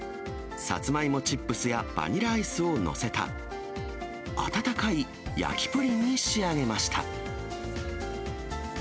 さつまいもチップスやバニラアイスを載せた、温かい焼きプリンに仕上げました。